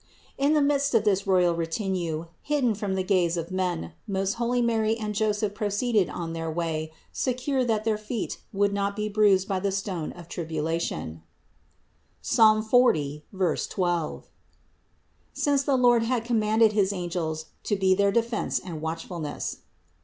457. In the midst of this royal retinue, hidden from the gaze of men, most holy Mary and Joseph proceeded on their way secure that their feet would not be bruised by the stone of tribulation (Ps. 40, 12), since the Lord had commanded his angels to be their defense and watch fulness.